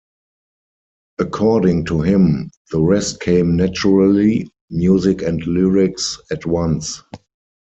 According to him, "the rest came naturally, music and lyrics at once".